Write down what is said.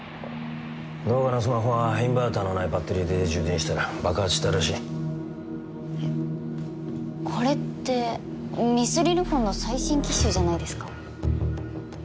動画のスマホはインバーターのないバッテリーで充電したら爆発したらしいえっこれってミスリルフォンの最新機種じゃないですか？